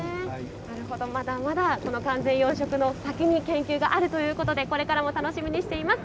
なるほど、まだまだその完全養殖の先に研究があるということでこれからも楽しみにしています。